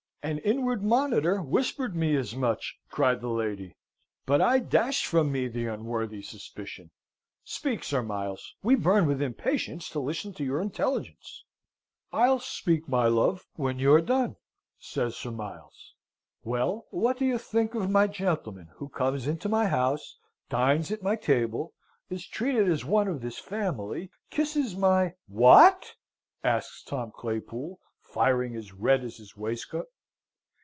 "An inward monitor whispered me as much!" cried the lady; "but I dashed from me the unworthy suspicion. Speak, Sir Miles, we burn with impatience to listen to your intelligence." "I'll speak, my love, when you've done," says Sir Miles. "Well, what do you think of my gentleman, who comes into my house, dines at my table, is treated as one of this family, kisses my " "What?" asks Tom Claypool, firing as red as his waistcoat.